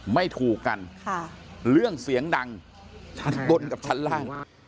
ไม่ถูกกันเรื่องเสียงดังชั้นบนกับชั้นล่าง